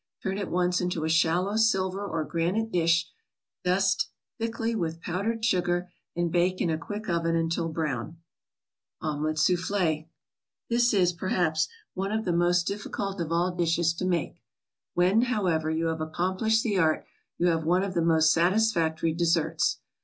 Turn at once into a shallow silver or granite dish, dust thickly with powdered sugar and bake in a quick oven until brown. OMELET SOUFFLE This is, perhaps, one of the most difficult of all dishes to make. When, however, you have accomplished the art, you have one of the most satisfactory desserts.